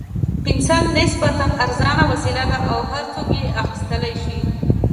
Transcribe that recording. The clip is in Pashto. پنسل نسبتاً ارزانه وسیله ده او هر څوک یې اخیستلای شي.